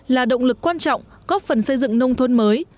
là động lực quan trọng góp phần xây dựng nông thôn mới